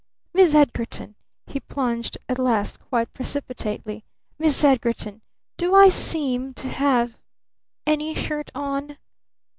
"Miss Edgarton!" he plunged at last quite precipitately. "Miss Edgarton! Do I seem to have any shirt on?"